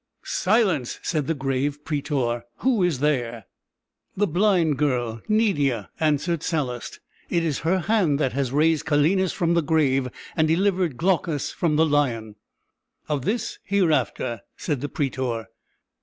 "Silence!" said the grave prætor; "who is there?" "The blind girl Nydia," answered Sallust; "it is her hand that has raised Calenus from the grave, and delivered Glaucus from the lion." "Of this hereafter," said the prætor.